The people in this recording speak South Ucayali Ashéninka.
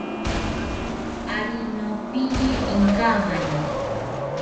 Ari nopiye inkamani